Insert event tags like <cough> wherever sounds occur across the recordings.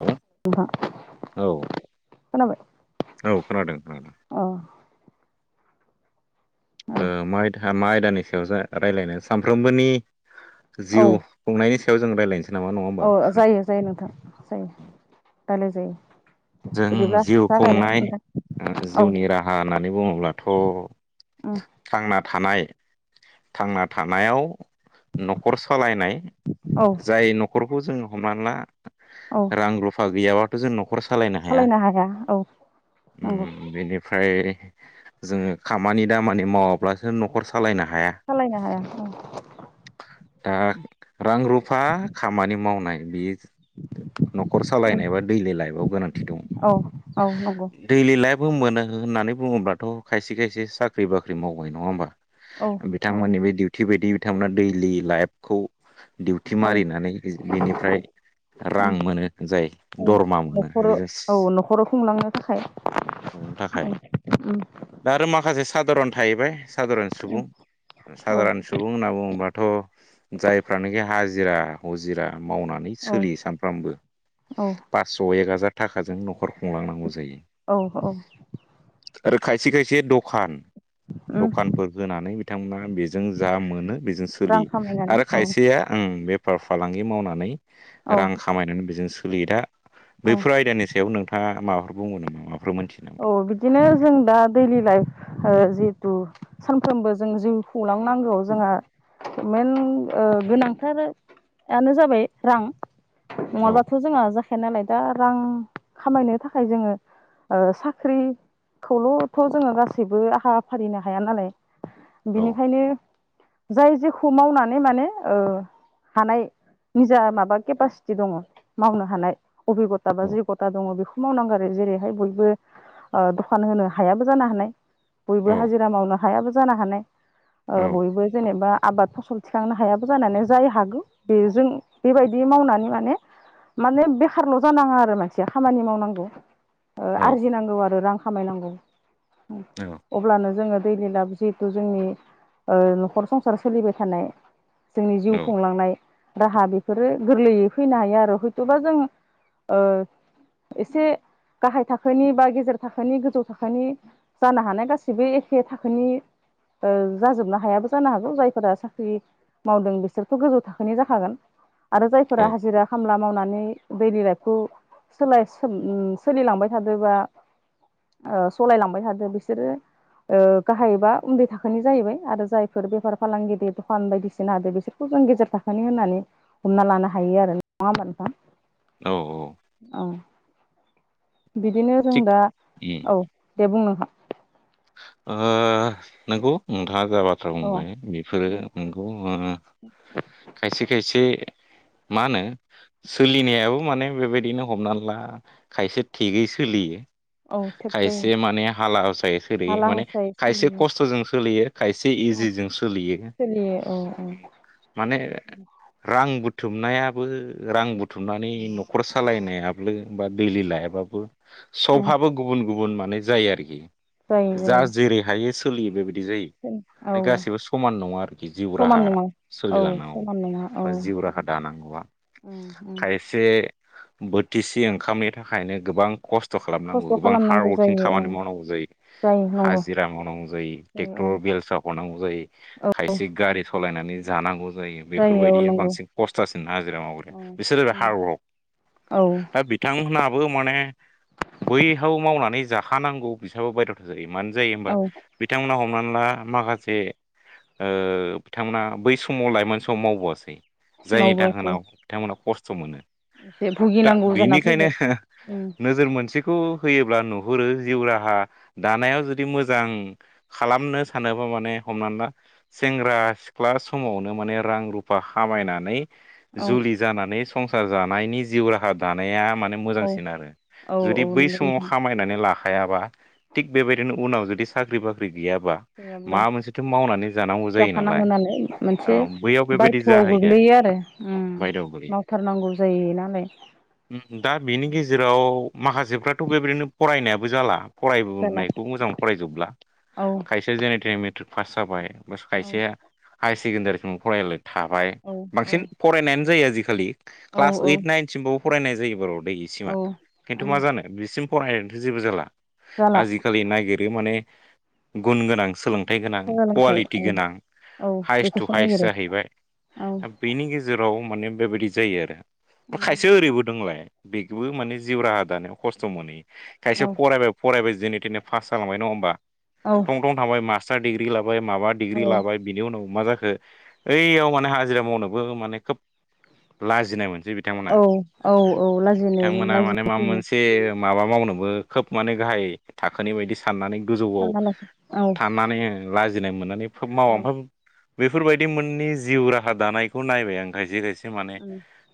<unintelligible> नोंथां औ। खोनाबाय? औ खोनादों खोनादों। अ ओ औ मा आयदा मा आयदानि सायाव जा रायलायनो सानफ्रोमबोनि जिउ औ खुंनायनि सायाव जों रायज्लायनोसै‌। औ जायो जायो नोंथां जायो रायलायजायो। जों जिउ खुंनाय औ जिउनि राहा होननानै बुङोब्लाथ' उम थांना थानाय थांना थानायाव न'खर सालायनाय औ जाय न'खरखौ जोंङो हमनानै ला औ रां रुफा गैयाबाथ' जों न'खर सालायनो हाया नंगौ उम बेनिफ्राय जोंङो खामानि दामानि मावाब्लासो न'खर सालायना सालायनो हाया औ दा रां रुफा खामानि मावनाय बेयो न'खर उम सालायनायबा दैलि लाइफआव गोनांथि दं औ औ नंगौ दैलि ला इफ मोनो होननानै बुङोब्लाथ' खायसे खायसे साख्रि बाख्रि मावबाय नङा होमबा औ औ बिथांमोननि बे दिउटि बायदि बिथांमोना दैलि लाइफखौ डिउथि ओं मारिनानै बेनिफ्राय उम रां मोनो जाय औ दरमा मोनो नखर बेजों औ न'खराव खुंलांनो थाखाय संनो थाखाय औ उम दा आरो माखासे सादारन थाहैबाय सादारन उम सुबुं औ सादारन सुबुं होनना बुङोबाथ' जायफ्रानोखि हाजिरा हुजिरा मावनानै औ सोलियो सानफ्रामबो औ फास्स' एक हाजार थाखाजों न'ख खर खुंलांनांगौ जायो औ औ आरो खायसे खायसे दखान उम दखानफोर होनानै बिथांमोना बेजों जा मोनो बेजों रां सोलियो खामायनानै आरो औ खायसेया ओं बेफार फालांगि मावनानै औ रां खामायनानै बेजों सोलियो दा औ फोर आयदानि सायाव नोंथाङा माबाफोर बुंगोन नामा? माबाफोर मोनथियो नामा? औ बिदिनो जों दा दैलि लाइफ ओ जिहेथु सानफ्रोमबो जों जिउ खुंलांनांगौ जोंहा मेन ओ गोनांथारानो जाबाय रां औ नङाबाथ' जोंहा जाखाया नालाय दा रां खामायनो थाखाय जोङो ओ साख्रि खौल'थ' जोङो गासैबो आखा फारिनो हाया नालाय औ बिनिखायनो जाय जेखौ मावनानै माने ओ हानाय निजा माबा केपासिटि दङ' मावनो हानाय अभिग'टा बा औ जयग'टा दङ' बेखौ मावनांगौ आरो जेरैहाय बय बो ओ दखान होनो हायाबो जानो हानायबयबो औ हाजिरा मावनो हायाबो जानो हानाय ओ बयबो जेनेबा आबाद फसल थिखांनो हायाबो जानो हानाय जाय हागौ बेजों बेबायदि मावनानै माने माने बेखारल' जानाङा आरो मानसिया खामानि मावनांगौ ओ औ आरजिनांगौ आरो रां खामायनांगौ अब्लानो जोङो दैलि लाइभ जिहेथु जोंनि ओ न'खर संसार सोलिबाय थानाय जोंनि जिउ औ खुंलांनाय राहा बेफोरो गोरलैयै फैनो हायो आरो हयथ'बा जों ओ एसे गाहाय थाखोनि बा गेजेर थाखो ओ जाजोबनो हायाबो जानो हागौ जायफोरा साख्रि मावदों बिसोरथ' गोजौ थाखोनि जाखागोन आरो जायफोरा हाजिरा-खामला मावनानै दैलि लाइफखौ <unintelligible> सोलिलांबाय थादो बा ओ सलायलांबाय थादो बिसोरो ओ गाहाय बा उन्दै थाखोनि जाहैबाय आरो जायफोर बेफार-फालांगिरि दखान बायदिसिना होदो बिसोरखौ जों गेजेर थाखोनि होननानै हमना लानो हायो आरो नङा होमबा नोंथां औ-औ औ बिदिनो जों थिग दा औ दे बुंना <unintelligible> ओ नोंगौ नोंथा -ङा जा-जा बाथ्रा औ बुंबाय बेफोरो औ नंगौ ओ खायसे-खायसे <inaudible> मा होनो सोलिनायाबो माने बेबायदिनो हमना ला खायसे थिगै सोलियो औ थेब दै खायसे माने हाला जायो हाला माने हासायै खायसे सोलियो खस्थ'जों सोलियो खायसे औ इजिजों सोलियो सोलियो औ । औ माने रां बुथुमनायाबो रां बुथुमनानै न'खर सालायनायाबो बा दैलि लाइफाबो औ सपहाबो गुबुन-गुबुन माने जायो आरोखि । जायो जा जेरै हायो सोलियो बेबाय दि जायो। बे गासिबो समान नङा आरोखि जिउ समान राहा नङा औ सोलिलांनांगौ समान नङा औ बा जिव राहा दानांगौआ उम उम खायसे बोथिसि ओंखामनि थाखायनो गोबां खस थ' खालामनांगौ खस्थ' गोबां हार्ड खालामनांगौ वारकिं जायो ओं खामानि मावनांगौ जायो । जायो नंगौ हाजिरा मावनांगौ जायो ट्रेक्टर बेलसा हनांगौ जायो औ खायसे गारि सलायना नै जानांगौ जायो औ बेफोरबायदिया नंगौ बांसिन खस्थासिन हाजिरा मावग्राया औ बिसोर <unintelligible> हार्डवर्क औ दा बिथांमोनाबो माने बैहाव मावनानै जा जाखानांगौ बिस्राबो बायध'था जायो मानो जायो होमबा औ बिथांमोना हमनानै ला माखासे ओ बिथांमोना बै समाव लाइमोन समाव मावबोआसै । जायनि मावबोआसै दाहोनाव बिथांमोना खस्थ' मोनो एसे । दा भुगिनांगौ जाना बेनिखायनो फैबाय उम नोजोर मोनसेखौ फैयोब्ला नुहुरो जिउ राहा दानायाव जुदि मोजां खालामनो सानोबा माने हमनानै ला सेंग्रा सिख्ला समावनो माने रां रुफा खामायनानै औ जुलि जानानै संसार जानायनि जिउ राहा दानाया माने औ मोजांसिन आरो। औ जुदि औ बै नंगौ समाव नोंथां खामायनानै लाखायाबा थिग बेबायदिनो उनाव जुदि साख्रि बाख्रि गैयाबा गैयाब्ला माबा मोनसेथ' मावनानै जानांगौ जायो जाखानाङौ नालाय औ मोनसे बैयाव बेबायदि बायथ'आव जाहैयो गोग्लैयो आरो उम बायद'आव मावथारनांगौ जायो नालाय उम दा बिनि गेजेराव माखासेफ्राथ' बेबायदिनो फरायनायाबो जाला फराय जाला नायखौ मोजां फरायजोबब्ला। औ खायसे जेने-थेने मेट्रिक पास जाबाय औ खायसेआ हायार सेकेण्डारिसिमाव फरायलाय थाबाय औ औ बांसिन फरायनायानो जायो आजिखालि औ क्लास औ ओइट नाइनसिमबाबो फरायनाय जायो बार' दै इसिमा औ खिन्थु उम मा जानो बिसिम फरायनायजोंलथ' जेबो जाला जाला आजिखालि नागिरो माने गुन गोनां सोलोंथाइ गोनां सोलोंथाइ औ कुवालिटि गोनां औ हायेस्ट टु बेखौसो हायेस्ट नागिरो जाहैबाय, औ दा बेनि गेजेराव माने बेबायदि जायो आरो। खायसे ओरैबो दंलाय बेखौबो माने जिउ राहा दानायाव खस्थ' मोनहैयो खायसे औ फरायबाय फरायबाय जेने थेने पास जालांबाय नङ होमबा थं थं थांबाय मास्टार डिग्रि लाबाय माबा औ डिग्रि लाबाय बिनि उनाव मा जाखो ऐयाव माने हाजिरा मावनोबो माने खोब लाजिनाय मोन सै बिथांमोना। औ औ औ लाजिनो बिथांमोना माने लाजिनाय माबा फैयो मोनसे माबा मावनोबो खोब माने गाहाय थाखोनि बायदि सा साननानै गोजौआव सानना लासि औ थानानै लाजिनाय मोननानै मावा औ ओम बेफोरबायदि मोननि जिउ राहा दानायखौ नायबाय आं खायसे खायसे माने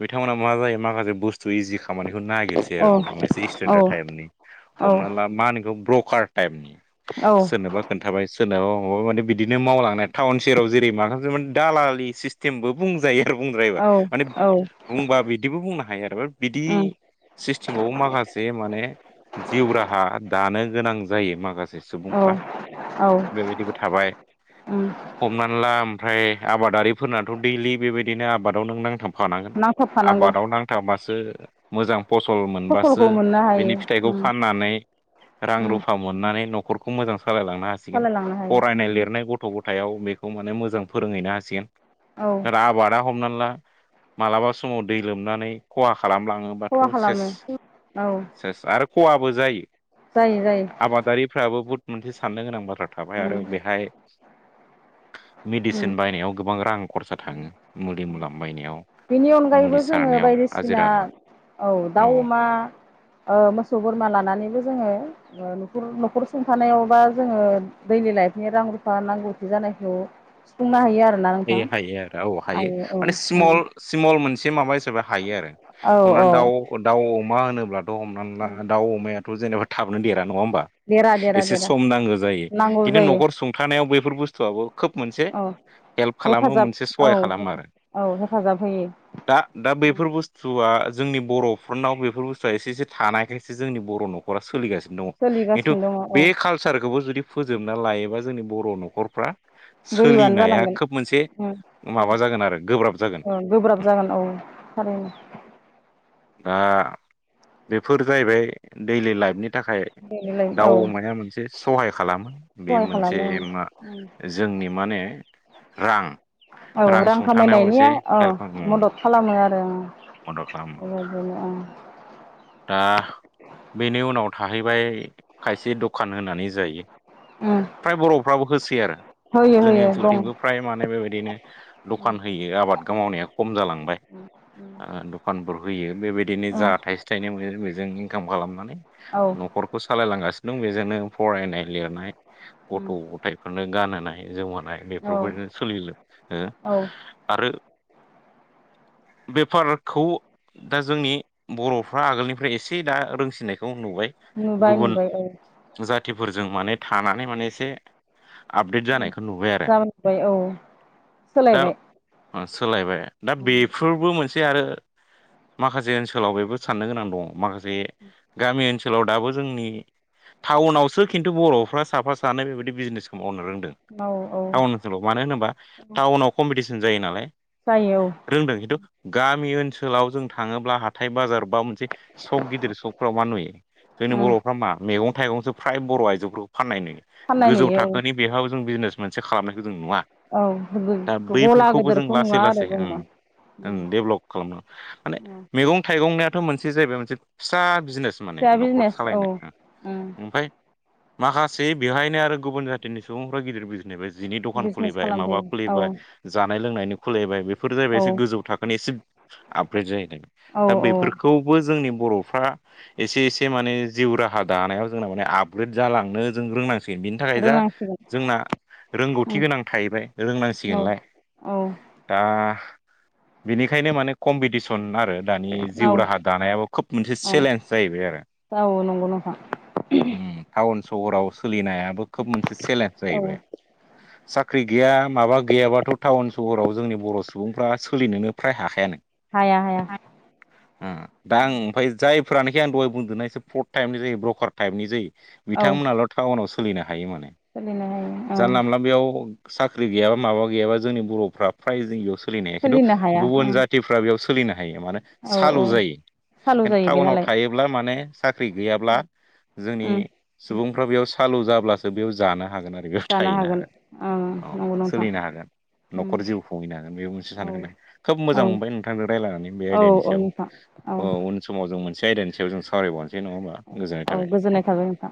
बिथांमोना मा जायो माखासे बुस्थु इजि खामानिखौनो नागिरसै आरो हमनाला एसे औ स्टेनडार टाइप औ हमनाला मा होनो बेखौ ब्रकार टाइपनि। औ सोरनोबा खोन्थाबाय सोरनोबा अबावबा माने बिदिनो मावलांनाय टावन सोहोराव जेरै माखासे माने दालालि सिस्टेमबो बुंजायो बुंद्रायोबा औ माने औ बुंबा बिदिबो बुंनो हायो आरो बिदि उम सिस्टेमावबो माखासे माने जिउ राहा दानो गोनां जायो माखासे औ सुबुंफ्रा। औ बेबायदिबो थाबाय उम हमनानै ला ओमफ्राय आबादारि फोरनाथ' दैलि बेबायदिनो आबादाव नों नांथाबखानांगोन। नांथाबफानांगौ आबादाव नांथाबबासो मोजां फसल मोनबासो फसलखौ मोननो बिनि हायो फिथाइखौ उम फाननानै रां उम रुफा मोननानै न'खरखौ मोजां सालायलांनो हासिगोन, सालायलांनो हायो फरायनाय लिरनाय गथ' गथाय सायाव बेखौ माने मोजां फोरोंहैनो हासिगोन। औ आरो आबादा हमना ला मालाबा समाव दै लोमनानै खहा खालामलाङोबाथ' खहा सेस खालामो औ सेस आरो खहाबो जायो। जायो जायो आबादारिफ्राबो बहुत मोनसे साननो गोनां बाथ्रा थाबाय उम आरो बेहाय उम मेडिसिन बायनायाव गोबां रां खरसा थाङो मुलि मुला बायनायाव। बेनि मुलि अनगायैबो जोङो सारनायाव बायदिसिना हाजिरा ना औ दाउ, अमा, ओ मोसौ, बोरमा लानानैबो जोङो न'खर न'खर सुंथानायाव बा जोङो देइलि लाइफनि रां रुफा नांगौथि जानायखौ सुफुंनो हायो आरो। हायो हायो आरो औ हायो, माने स्मल औ स्मल मोनसे माबा हिसाबै हायो आरो। औ हमना ला औ दाउ दाउ अमा होनोब्लाथ' हमनानै ला दाउ अमायाथ' जेनबा थाबनो देर नङा होनबा? देरा देरा एसे देरा सम नांगौ जायो नांगौ खिन्थु जायो न'खर सुंथानायाव बेैफोर बुस्थुआबो खोब मोनसे औ हेल्प खालामो हेफाजाब मोनसे औ सहाय खालामो आरो। औ हेफाजाब होयो दा दा बेफोर बुस्थु आ जोंनि बर'फोरनाव बेफोर बुस्थुवा एसे एसे थानायखायसो जोंनि बर' न'खरा सलिगासिनो दङ। खिन्थु सोलिगासिनो दङ बे औ कालसारखौबो जुदि फोजोबना लायोबा जोंनि बर' न'खरफ्रा गोरिबानो सोलिनाया खोब मोनसे जालांगोन। माबा जागोन आरो गोब्राब जागोन औ गोब्राब जागोन औ थारैनो। <unintelligible> <inaudible> दा बेफोर जाहैबाय देइलि लाइफनि थाखाय देलाय औ दाउ अमाया मोनसे सहाय खालामो, बे सहाय मोनसे खालामो मा जोंनि माने रां औ रां सुंथानायाव एसे खामायनायनिया औ हेल्प मदद खालामो आ रो खालामो ओं बेबादिनो ओं। दा बेनि उनाव थाहैबाय खायसे दखान होनानै जायो उम फ्राय बर'फ्राबो होसै आरो। होयो जोंनि होयो दं ओनसोलथिंबो फ्राय माने बेबायदिनो उम दखान होयो आबाद मावनाया खम जालांबाय। ओ दखानफोर होयो बेबायदिनो जा थाइसे थाइनै मोनो बेजोंनो इनकाम खालामनानै औ न'खरखौ सालायलांगासिनो दं। बेजोंनो फरायनाय लिरनाय उम गथ' गथाइफोरनो गानहोनाय जोमहोनाय औ बेफोरबायदिनो सोलि औ आरो बेफारखौ दा जोंनि बर' फ्रा आगोलनिफ्राय एसे दा रोंसिननायखौ नुबाय, नुबाय गुबुन नुबाय औ जाथिफोरजों माने थानानै माने एसे आपडेट उम जानायखौ नुबाय आरो। जाबाय औ दा सोलायबाय उम सोलायबाय, दा उम बेफोरबो मोनसे आरो माखासे ओनसोलाव बेबो साननो गोनां दङ माखासे गामि ओनसोलाव दाबो जोंनि टाउनावसो खिन्थु बर'फ्रा साफा सानै बेबायदि बिजनेसखौ मावनो रोंदों, औ औ टाउन ओनसोलाव, मानो होनोबा टाउनाव कम्पिटिसन जायो नालाय। जायो रोंदों खिन्थु गामि ओनसोलाव जों थाङोब्ला हाथाय बाजार बा मोनसे सक गिदिर सखफ्राव मा नुयो? जोंनि औ उम बर'फ्रा मा मैगं थाइगंसो फ्राय बर' आइजोफोरखौ फाननाय नुयो। फाननाय गोजौ नुयो थाखोनि बेहाव जों बिजनेस मोनसे खालामनायखौ जों नुवा। औ दा गला बैफोरखौबो जों गिदिरखौ लासै नुवा आरो लासै ओम जोङो उम डेभलप खालामनांगौ। माने उम मैगं थाइगंनियाथ' मोनसे जाहैबाय मोनसे फिसा बिजनेस माने फिसा न'खर बिजनेस औ सालायनाय। उम ओ ओमफ्राय माखासे बेवहायनो आरो गुबुन जाथिनि सुबुंफ्रा गिदिर बिजनेस बे जिनि दखान बिजनेस खुलिबाय, माबा खालामफैयो खुलिबाय, औ जानाय लोंनायनि खुलिबाय बे बेफोर जाहौबाय औ एसे गोजौ थाखोनि एसे आपग्रेद जाहैदों। औ दा औ बेफोरखौबो जोंनि बर' फ्रा एसे एसे माने जिउ राहा दानायाव जोंना माने आपग्रेड जालांनो जों रोंनां से बिनि थाखाय जा रोंनांसिगोन जोंना रोंगौथि उम गोनां थाहैबाय, औ रोंनांसिगोनलाय। औ दा बिनिखायनो माने कम्पिटिसन आरो दानि जिउ राहा दानायाबो खोब मोनसे औ औ चेलेन्ज जाहैबाय आरो औ नंगौ नोंथां हमथाव सहराव सोलिनायाबो खोब मोनसे चेलेन्ज औ जाहैबाय सब साख्रि गैया माबा गैयाबाथ' टाउन सहराव जोंनि बर' सुबुंफ्रा सोलिनोनो फ्राय हाखायानो हाया हाया दां ओमाय जायफ्रानोखि आं दहाय बुंदोंना इ एसे फर्थ टाइपनि जायो ब्रकार टाइपनि जायो औ बिथांमोनाल' टाउनाव सोलिनो हायो माने सोलिनो हायो औ जानला मोनला बेयाव साख्रि गैयाबा माबा गैयाबा जोंनि बर'फ्रा फ्राय जों बेयाव सोलिनो हा खिन्थु हाया गुबुन ओं जाथिफ्रा बेयाव स सोलिनो हायो माने औ औ सालु जायो सालु खेन जायो बे टाउनाव नालाय थायोब्ला माने साख्रि गैयाब्ला जोंनि उम सुबुंफ्रा बेयाव सालु जाब्लासो बेयाव जानाङ हागोर आरो बेयाव जानो थाहैनो हागोन ओं औ नंगौ नोंथां सोलिनो हागोन उम न'खर जिउ खुंहैनो हागोन बे मोनसे औ सानखौननाय खोब मोजां औ मोनबाय नोंथांनो रायज्लायनानै बे औ औ आइडियानिसो नोंथां औ उन समाव जों मोनसे आयदानि सायाव जों सावरायबावनो जे नङा होमबा गोजोननाय थाबाय औ गोजोननाय थाबाय नोंथां